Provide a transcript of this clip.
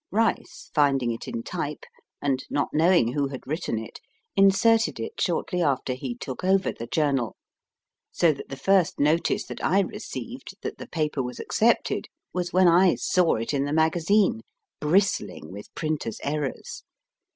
Rice, finding it in type, and not knowing who had written it, inserted it shortly after he took over the journal, so that the first notice that I received that the paper was accepted was when I saw it in the magazine, bristling with printer s errors.